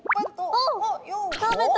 あ食べた。